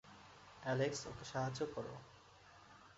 Alex ওকে সাহায্য করো।